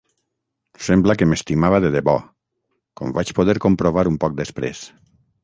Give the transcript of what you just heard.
Sembla que m'estimava de debò, com vaig poder comprovar un poc després.